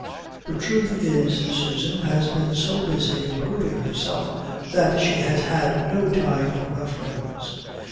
"The truth is, Susan has been so busy improving herself that she has had no time for her friends.